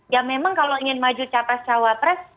ya memang kalau ingin maju capres cawapres